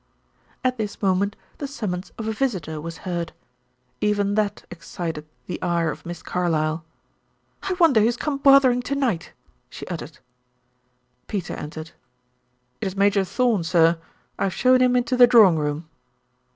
At this moment the summons of a visitor was heard. Even that excited the ire of Miss Carlyle. "I wonder who's come bothering to night?" she uttered. Peter entered. "It is Major Thorn, sir. I have shown him into the drawing room."